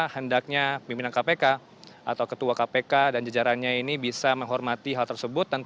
hendaknya pimpinan kpk atau ketua kpk dan jajarannya ini bisa menghormati hal tersebut